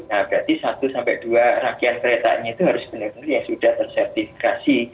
nah berarti satu sampai dua rangkaian keretanya itu harus benar benar ya sudah tersertifikasi